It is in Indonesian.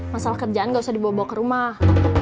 masalah kerjaan gak usah dibawa bawa ke rumah